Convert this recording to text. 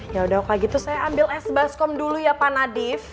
yaudah waktu itu saya ambil es baskom dulu ya pak nadif